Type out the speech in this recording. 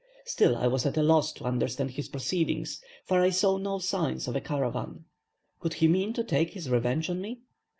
Still I was at a loss to understand his proceedings, for I saw no signs of a caravan. Could he mean to take his revenge on me?